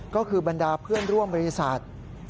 ก็คือบรรดาเพื่อนร่วมบริษัท